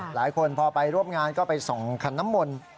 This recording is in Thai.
หลายคนพอไปร่วมงานก็ไปส่องขันน้ำมนต์